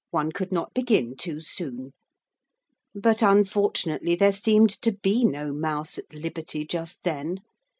One could not begin too soon. But unfortunately there seemed to be no mouse at liberty just then.